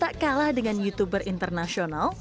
tak kalah dengan youtuber internasional